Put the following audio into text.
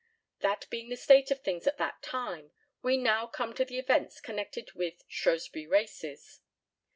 That being the state of things at that time, we now come to the events connected with Shrewsbury Races.